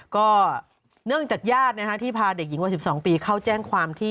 ก็เนื่องจากญาติที่พาเด็กหญิงวัย๑๒ปีเข้าแจ้งความที่